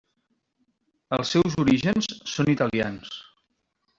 Els seus orígens són italians.